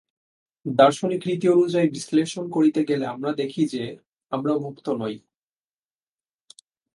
দার্শনিক রীতি অনুযায়ী বিশ্লেষণ করিতে গেলে আমরা দেখি যে, আমরা মুক্ত নই।